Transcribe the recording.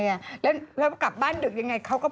หมาหมาหมาหมาหมาหมาหมาหมาหมาหมา